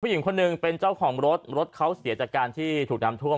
ผู้หญิงคนหนึ่งเป็นเจ้าของรถรถเขาเสียจากการที่ถูกน้ำท่วม